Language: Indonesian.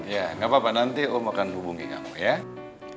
ya nggak apa apa nanti om akan hubungi kamu ya